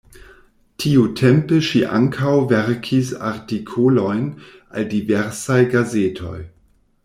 Tiutempe ŝi ankaŭ verkis artikolojn al diversaj gazetoj.